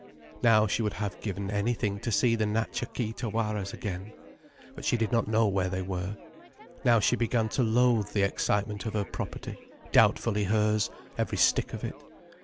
Now she would have given anything to see the Natcha Kee Tawaras again. But she did not know where they were. Now she began to loathe the excitement of her property: doubtfully hers, every stick of it.